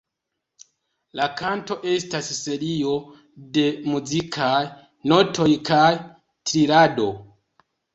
La kanto estas serio de muzikaj notoj kaj trilado.